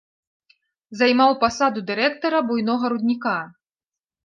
Займаў пасаду дырэктара буйнога рудніка.